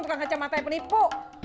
tukang kacamata penipu